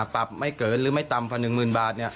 ปรับไม่เกินหรือไม่ตำพันหนึ่งหมื่นบาทเนี้ย